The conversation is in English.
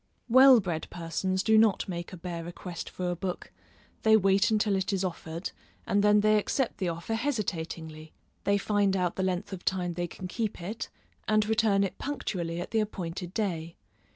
Well bred persons do not make a bare request for a book; they wait until it is offered, and then they accept the offer hesitatingly; they find out the length of time they can keep it, and return it punctually at the appointed day.